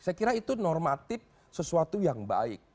saya kira itu normatif sesuatu yang baik